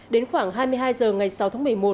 đến khoảng hai mươi hai h ngày sáu tháng một mươi một